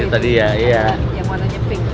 yang warnanya pink